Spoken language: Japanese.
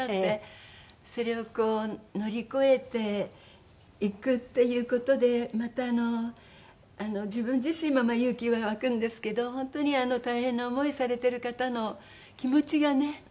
それをこう乗り越えていくっていう事でまたあの自分自身も勇気は湧くんですけど本当に大変な思いされてる方の気持ちがねはい。